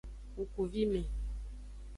Ngkuvime.